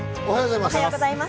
おはようございます。